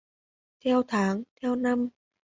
Theo tháng theo năm